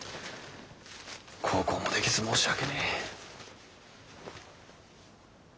孝行もできず申し訳ねぇ。